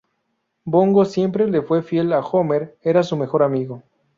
Bongo siempre le fue fiel a Homer, era su mejor amigo.